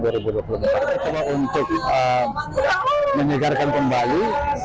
ketua untuk menyegarkan kembali